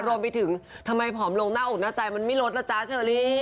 รวมไปถึงทำไมผอมลงหน้าอกหน้าใจมันไม่ลดล่ะจ๊ะเชอรี่